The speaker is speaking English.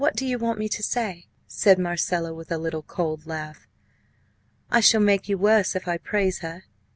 "What do you want me to say?" said Marcella, with a little cold laugh. "I shall make you worse if I praise her.